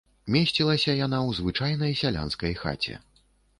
Месцілася яна ў звычайнай сялянскай хаце.